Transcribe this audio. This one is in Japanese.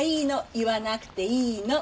言わなくていいの。